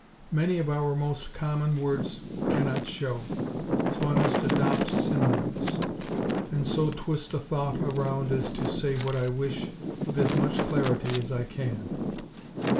Many of our most common words cannot show; so I must adopt synonyms; and so twist a thought around as to say what I wish with as much clarity as I can.)